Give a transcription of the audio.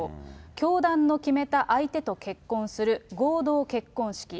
教団の決めた相手と結婚する合同結婚式。